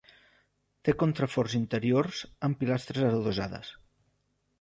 Té contraforts interiors amb pilastres adossades.